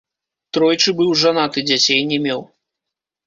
Тройчы быў жанаты, дзяцей не меў.